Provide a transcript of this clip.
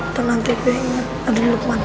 atau nanti gue ingat ada lukman